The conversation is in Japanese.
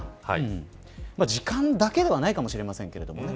時間だけではないかもしれませんけどね。